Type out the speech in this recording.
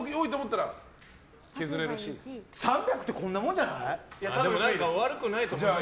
３００ってこんなもんじゃない？